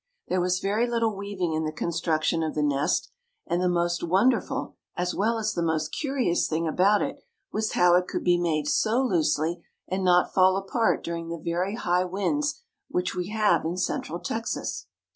There was very little weaving in the construction of the nest and the most wonderful as well as the most curious thing about it was how it could be made so loosely and not fall apart during the very high winds which we have in central Texas.